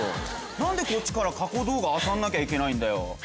なんでこっちから過去動画あさらなきゃいけないんだよ。